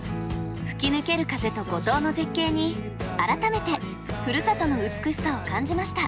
吹き抜ける風と五島の絶景に改めてふるさとの美しさを感じました。